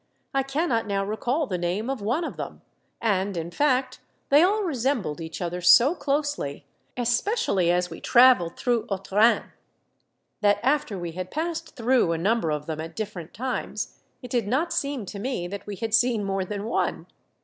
I cannot now recall the name of one of them, and in fact they all resembled each other so closely, especially as we travelled through Haut Rhin, that after we had passed through a number of them at different times, it did not seem to me that we had seen more than one.